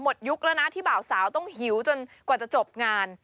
ยุคแล้วนะที่บ่าวสาวต้องหิวจนกว่าจะจบงาน